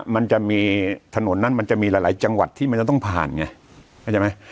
มันจะมีถนนนั้นมันจะมีหลายจังหวัดที่มันจะต้องผ่านไงเข้าใจไหม